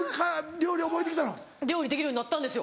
料理できるようになったんですよ。